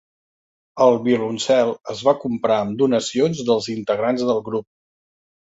El violoncel es va comprar amb donacions dels integrants del grup.